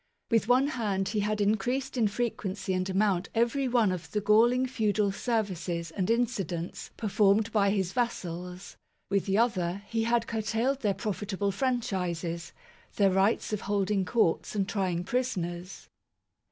With one hand he had increased in fre quency and amount every one of the galling feudal services and incidents performed by his vassals ; with the other, he had curtailed their profitable franchises, their rights of holding courts and trying prisoners.